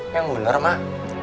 yang bener mak